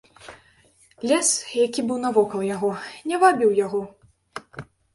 Лес, які быў навокал яго, не вабіў яго.